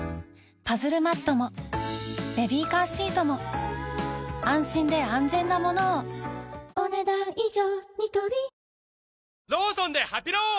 パズルマットもベビーカーシートも安心で安全なものをお、ねだん以上。